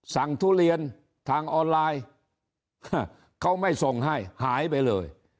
ทุเรียนทางออนไลน์เขาไม่ส่งให้หายไปเลย